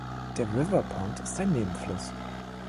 Der River Pont ist ein Nebenfluss.